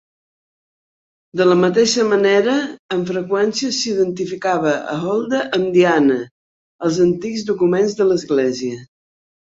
De la mateixa manera, amb freqüència s"identificava a Holda amb Diana, als antics documents de l"església.